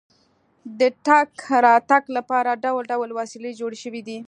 د تګ راتګ لپاره ډول ډول وسیلې جوړې شوې دي.